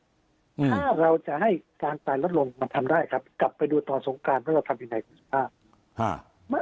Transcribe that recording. ถ้าเราจะให้การตายลดลงมันทำได้ครับกลับไปดูตอนสงการว่าเราทำยังไงคุณสุภาพ